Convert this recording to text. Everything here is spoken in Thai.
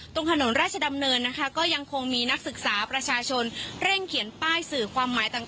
ตรงถนนราชดำเนินนะคะก็ยังคงมีนักศึกษาประชาชนเร่งเขียนป้ายสื่อความหมายต่าง